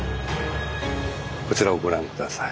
こちらをご覧下さい。